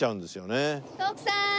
徳さーん！